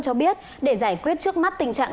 cho biết để giải quyết trước mắt tình trạng